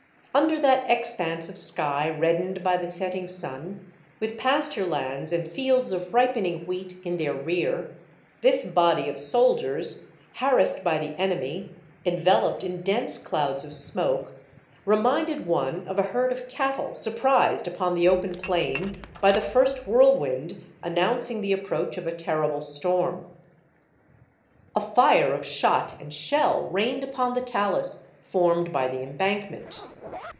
Under that expanse of sky reddened by the setting sun, with pasture lands and fields of ripening wheat in their rear, this body of soldiers, harassed by the enemy, enveloped in dense clouds of smoke, reminded one of a herd of cattle surprised upon the open plain by the first whirlwind announcing the approach of a terrible storm. A fire of shot and shell rained upon the talus formed by the embankment.